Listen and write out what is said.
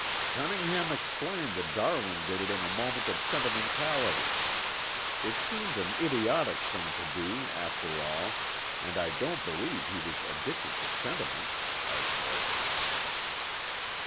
"Cunningham explained that Darwin did it in a moment of sentimentality. It seemed an idiotic thing to do, after all, and I don't believe he was addicted to sentiment," I said.